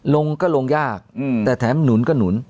ลงก็ลงยากแต่แถมหนุนก็หนุน